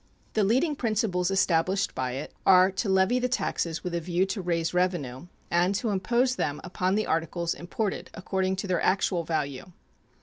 The leading principles established by it are to levy the taxes with a view to raise revenue and to impose them upon the articles imported according to their actual value.